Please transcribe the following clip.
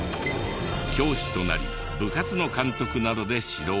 教師となり部活の監督などで指導。